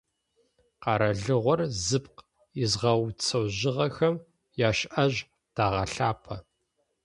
Къэралыгъор зыпкъ изгъэуцожьыгъэхэм яшӏэжь тэгъэлъапӏэ.